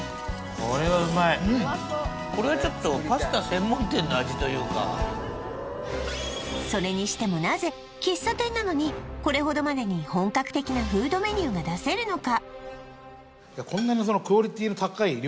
これはうまいというかそれにしてもなぜ喫茶店なのにこれほどまでに本格的なフードメニューが出せるのか？